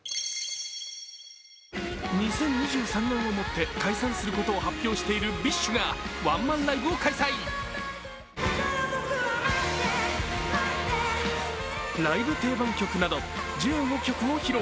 ２０２３年をもって解散することを発表しているＢｉＳＨがワンマンライブを開催。